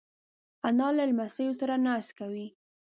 انا له لمسیو سره ناز کوي